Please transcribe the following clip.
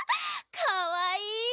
かわいい！